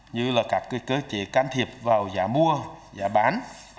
như là các cơ chế can thiệp vào giá mua giá bán